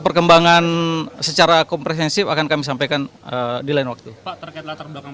perkembangan secara kompresensif akan kami sampaikan di lain waktu terkena terbakar